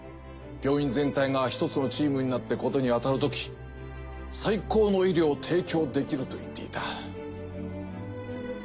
病院全体が１つのチームになって事にあたるとき最高の医療を提供できると言っていた。